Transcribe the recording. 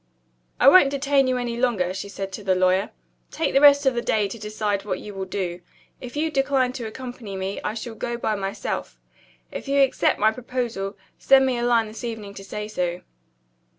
"I won't detain you any longer," she said to the lawyer. "Take the rest of the day to decide what you will do. If you decline to accompany me, I shall go by myself. If you accept my proposal, send me a line this evening to say so."